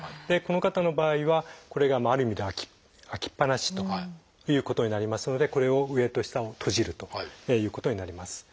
でこの方の場合はこれがある意味で開きっぱなしということになりますのでこれを上と下を閉じるということになります。